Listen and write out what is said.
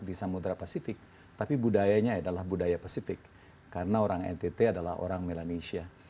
di samudera pasifik tapi budayanya adalah budaya pasifik karena orang ntt adalah orang melanesia